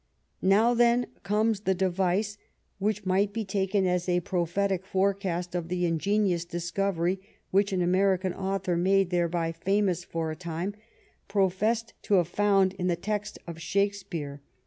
Now, then, comes the device which might be taken as a prophetic forecast of the ingenious discovery which an American author, made thereby famous for a time, professed to have found in the text of Shakespeare.